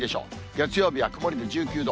月曜日は曇りで１９度。